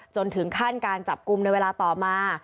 จนถึงขั้นการจับกลุ่มในเวลาต่อมา